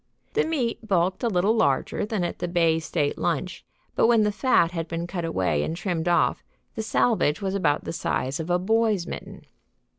The meat bulked a little larger than at the Bay State Lunch, but when the fat had been cut away and trimmed off the salvage was about the size of a boy's mitten.